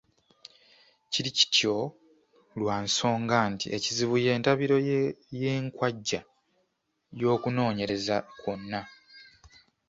Kiri kityo lwa nsonga nti ekizibu y’entabiro y’enkwajja y’okunoonyereza kwonna.